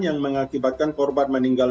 yang mengakibatkan korban meninggal